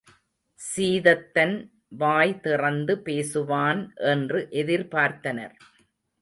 சீதத்தன் வாய் திறந்து பேசுவான் என்று எதிர்பார்த்தனர்.